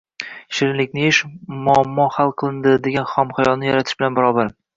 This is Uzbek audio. Shirinlikni yeyish – “muammo hal qilindi”, degan xomxayolni yaratish bilan barobar.